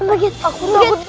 oh my god aku takut banget